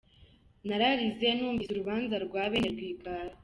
Nararize numvise urubanza rwa bene Rwigara.